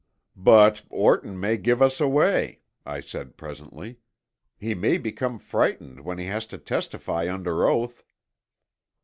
"But, Orton may give us away," I said presently. "He may become frightened when he has to testify under oath."